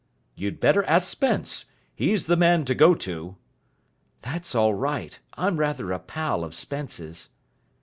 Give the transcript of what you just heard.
"You'd better ask Spence. He's the man to go to." "That's all right. I'm rather a pal of Spence's."